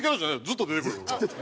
ずっと出てくるよ。